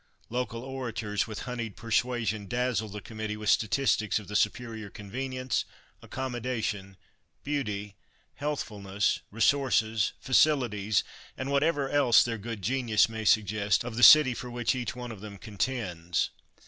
Local orators with honeyed persuasion dazzle the committee with statistics of the superior convenience, accommodation, beauty, healthfulness, resources, facilities, and whatever else their good genius may suggest, of the city for which each one of them contends.